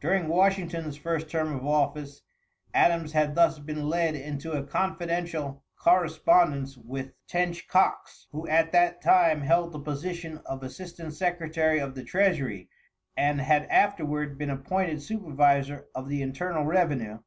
During Washington's first term of office, Adams had thus been led into a confidential correspondence with Tench Coxe, who at that time held the position of assistant secretary of the treasury and had afterward been appointed supervisor of the internal revenue.